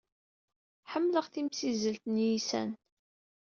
Ḥemmleɣ timsizzlin n yiysan.